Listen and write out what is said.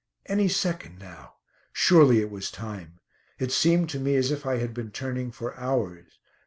Any second now. Surely it was time. It seemed to me as if I had been turning for hours.